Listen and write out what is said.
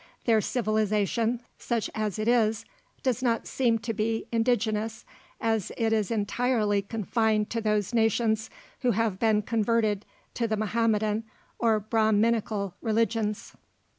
Their civilization, such as it is, does not seem to be indigenous, as it is entirely confined to those nations who have been converted to the Mahometan or Brahminical religions.